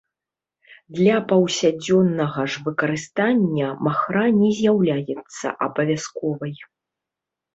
Для паўсядзённага ж выкарыстання махра не з'яўляецца абавязковай.